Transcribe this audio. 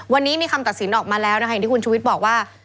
วันนี้มีคำตัดสินออกมาแล้วนะคะอย่างที่คุณชุวิตบอกว่า